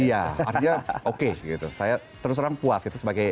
iya artinya oke gitu saya terus terang puas gitu sebagai